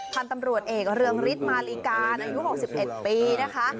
พันธุ์ตำรวจเอกเรืองฤทธิ์มาลีการอายุ๖๑ปีนะคะ